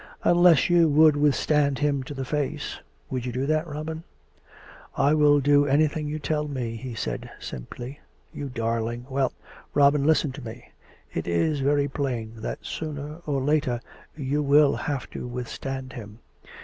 " Unless you would withstand him to the face. Would you do that, Robin.'' "" I will do anything you tell me," he said simply. " You darling !... Well, Robin, listen to me. It is very plain that sooner or later you will have to withstand him.